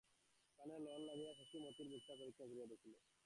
কানে নল লাগাইয়া শশী মতির বুকটা পরীক্ষা করিয়া দেখিল।